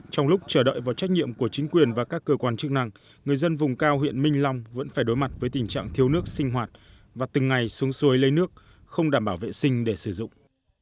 trong lúc chờ đợi vào trách nhiệm của chính quyền và các cơ quan chức năng người dân vùng cao huyện minh long vẫn phải đối mặt với tình trạng thiếu nước sinh hoạt và từng ngày xuống xuôi lấy nước không đảm bảo vệ sinh để sử dụng